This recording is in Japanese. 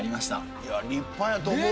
いや立派やと思う。